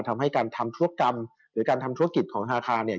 ทำให้การทำธุรกรรมหรือการทำธุรกิจของธนาคารเนี่ย